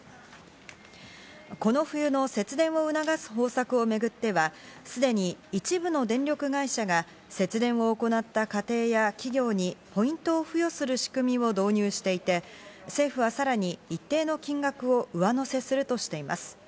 この冬の節電を促す方策をめぐっては、すでに一部の電力会社が節電を行った家庭や企業にポイントを付与する仕組みを導入していて、政府はさらに一定の金額を上乗せするとしています。